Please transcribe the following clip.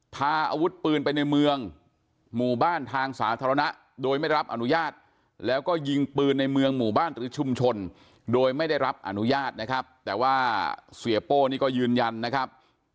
พาอาวุธปืนไปในเมืองหมู่บ้านทางสาธารณะโดยไม่รับอนุญาตแล้วก็ยิงปืนในเมืองหมู่บ้านหรือชุมชนโดยไม่ได้รับอนุญาตนะครับ